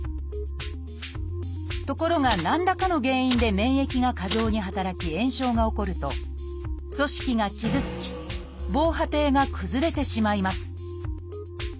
ところが何らかの原因で免疫が過剰に働き炎症が起こると組織が傷つき防波堤が崩れてしまいます。